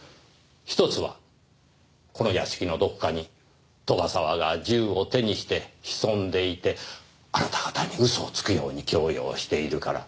一つはこの屋敷のどこかに斗ヶ沢が銃を手にして潜んでいてあなた方に嘘をつくように強要しているから。